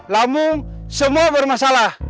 lambung semua bermasalah